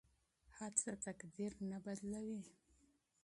هڅه تقدیر نه بدلوي.